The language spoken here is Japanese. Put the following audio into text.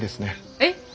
えっ！？